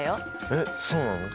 えっそうなの？